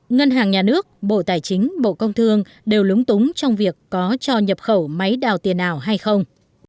ngân hàng nhà nước bộ tài chính bộ công thương đều lúng túng trong việc có cho nhập khẩu máy đào tiền nào hay không